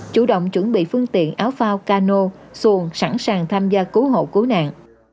chủ động chuẩn bị phương tiện áo phao cano xuồng sẵn sàng tham gia cứu hộ cứu nạn